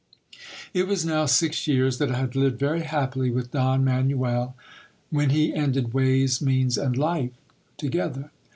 It was now near six years that I had lived very happily with Don Manuel, when he ended ways, means, and life together.